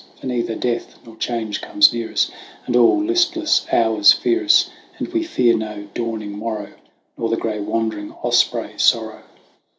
For neither Death nor Change comes near us, And all listless hours fear us, And we fear no dawning morrow, Nor the gray wandering osprey Sorrow."